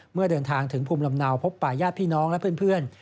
เมื่อเดินทางถึงภูมิลำเนาพบป่าญาติพี่น้องและเพื่อน